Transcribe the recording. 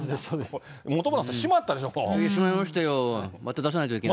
本村さん、もうしまったでししまいましたよ。